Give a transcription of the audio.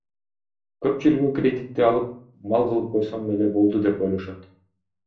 Көпчүлүгү кредитти алып, мал кылып койсом эле болду деп ойлошот.